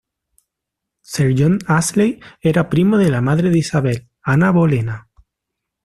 Sir John Ashley era primo de la madre de Isabel, Ana Bolena.